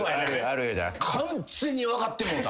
完全に分かってもうた。